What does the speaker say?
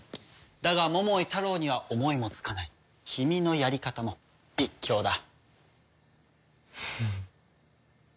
だが桃井タロウには思いもつかない君のやり方も一興だ。